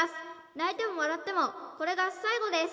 泣いても笑ってもこれが最後です